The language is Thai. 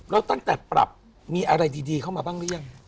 แล้วตั้งแต่ปรับมีอะไรดีเข้ามาบ้างหรือยัง